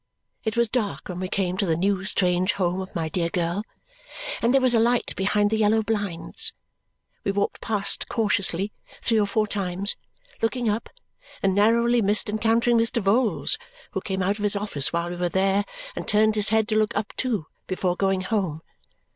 It was dark when we came to the new strange home of my dear girl, and there was a light behind the yellow blinds. We walked past cautiously three or four times, looking up, and narrowly missed encountering Mr. Vholes, who came out of his office while we were there and turned his head to look up too before going home.